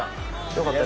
よかった。